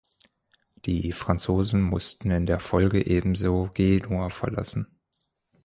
Die Franzosen mussten in der Folge ebenso Genua verlassen.